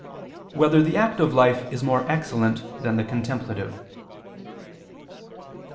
1] Whether the Active Life Is More Excellent Than the Contemplative?